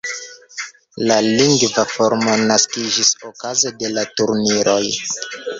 La lingva formo naskiĝis okaze de la turniroj.